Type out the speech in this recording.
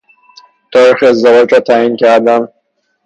تاریخ ازدواج را تعیین کردن